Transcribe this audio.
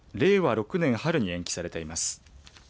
６年春に延期されています。